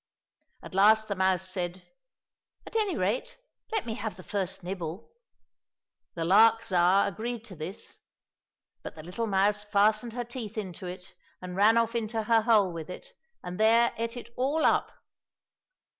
At last the mouse said, '' At any rate, let me have the first nibble !" The lark Tsar agreed to this ; but the little mouse fastened her teeth in it and ran off" into her hole with it, and there ate it all up.